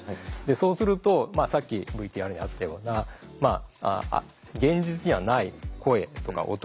そうするとさっきＶＴＲにあったような現実にはない声とか音が聞こえてきたり